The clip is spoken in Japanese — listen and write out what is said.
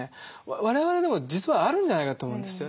我々でも実はあるんじゃないかと思うんですよね。